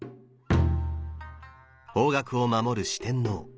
方角を守る四天王。